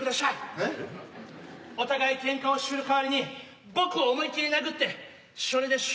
えっ？お互いケンカをしゅる代わりに僕を思いっ切り殴ってしょれでしゅ